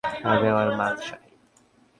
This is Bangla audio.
আমি আমার মাল চাই।